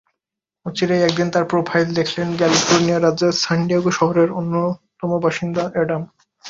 অচিরেই একদিন তাঁর প্রোফাইল দেখলেন ক্যালিফোর্নিয়া রাজ্যের সান ডিয়েগো শহরের বাসিন্দা অ্যাডাম।